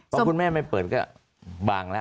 เพราะคุณแม่ไม่เปิดก็บางแล้ว